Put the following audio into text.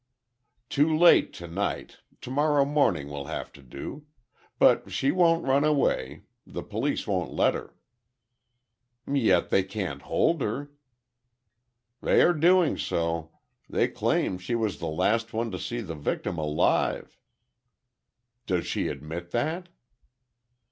"Too late tonight, tomorrow morning will have to do. But she won't run away. The police won't let her." "Yet they can't hold her." "They are doing so. They claim she was the last one to see the victim alive—" "Does she admit that?"